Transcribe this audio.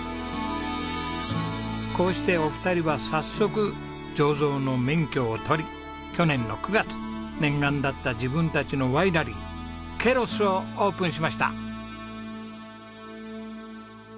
こうしてお二人は早速醸造の免許を取り去年の９月念願だった自分たちのワイナリーケロスをオープンしました。